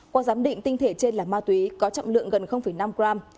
qua giám định tinh thể trên là ma túy có trọng lượng gần năm gram